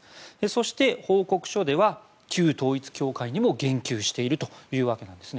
そして、報告書では旧統一教会にも言及しているというわけなんです。